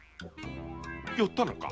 寄ったのか？